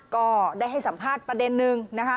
ก็ได้ให้สัมภาษณ์ประเด็นนึงนะคะ